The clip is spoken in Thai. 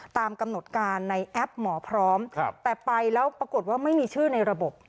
ตามกำหนดการในแอปหมอพร้อมแต่ไปแล้วปรากฏว่าไม่มีชื่อในระบบ